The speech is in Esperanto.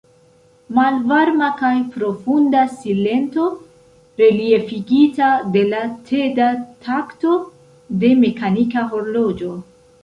Malvarma kaj profunda silento, reliefigita de la teda takto de mekanika horloĝo.